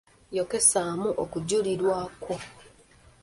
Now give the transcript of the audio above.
Yokesaamu okujulirwa kwo.